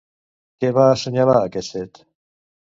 Què va assenyalar aquest fet?